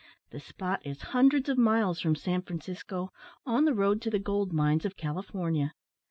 The spot is hundreds of miles from San Francisco, on the road to the gold mines of California.